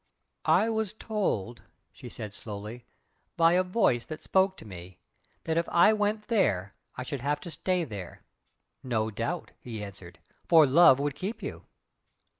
"I was told" she said slowly "by a Voice that spoke to me that if I went there I should have to stay there!" "No doubt!" he answered "For love would keep you!"